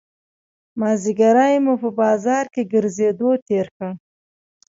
مازیګری مو په بازار کې ګرځېدو تېر کړ.